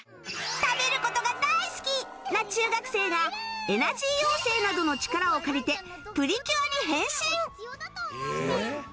食べる事が大好きな中学生がエナジー妖精などの力を借りてプリキュアに変身！